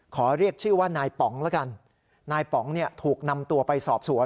ขอเรียกชื่อว่านายป๋องละกันนายป๋องเนี่ยถูกนำตัวไปสอบสวน